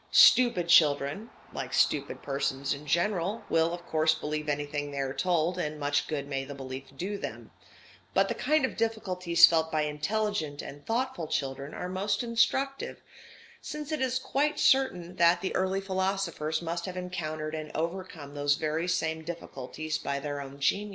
Stupid children, like stupid persons in general, will of course believe anything they are told, and much good may the belief do them; but the kind of difficulties felt by intelligent and thoughtful children are most instructive, since it is quite certain that the early philosophers must have encountered and overcome those very same difficulties by their own genius.